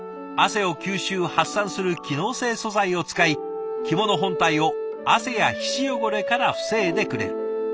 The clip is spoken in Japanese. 汗を吸収・発散する機能性素材を使い着物本体を汗や皮脂汚れから防いでくれる。